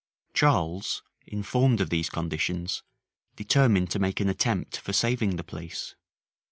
Charles, informed of these conditions, determined to make an attempt for saving the place.